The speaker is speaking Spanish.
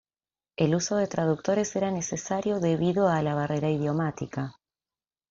El uso de traductores era necesario debido a la barrera idiomática.